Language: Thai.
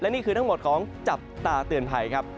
นี่คือทั้งหมดของจับตาเตือนภัยครับ